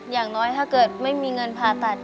อย่างน้อยถ้าเกิดไม่มีเงินผ่าตัด